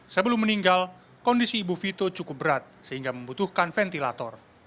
sebelum meninggal kondisi ibu vito cukup berat sehingga membutuhkan ventilator